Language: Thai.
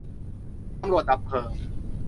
ตำรวจดับเพลิง